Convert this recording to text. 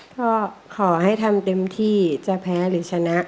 ก็ขอให้ทำเต็มที่จะแพ้หรือชนะ